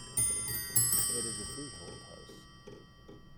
It is a freehold house.